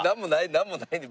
なんもないねん。